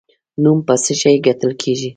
نوم په څه شي ګټل کیږي؟